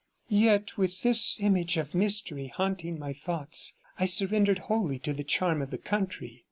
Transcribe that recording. Yet, with this image of mystery haunting my thoughts, I surrendered wholly to the charm of the country.